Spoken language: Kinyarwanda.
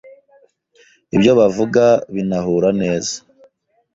ibyo bavuga binahura neza